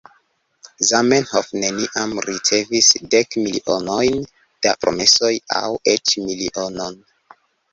Zamenhof neniam ricevis dek milionojn da promesoj, aŭ eĉ milionon.